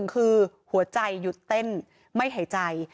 คือหัวใจหยุดเต้นไม่หายใจ